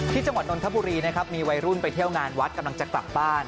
จังหวัดนนทบุรีนะครับมีวัยรุ่นไปเที่ยวงานวัดกำลังจะกลับบ้าน